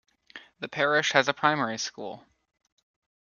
The parish has a primary school.